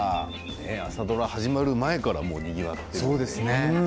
朝ドラが始まる前からにぎわっているんですね。